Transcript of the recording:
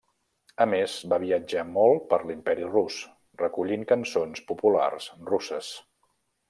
A més, va viatjar molt per l'Imperi Rus, recollint cançons populars russes.